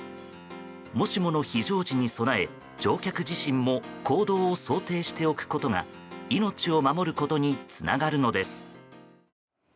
もしもの非常時に備え乗客自身も行動を想定しておくことが命を守ることにつながるのです。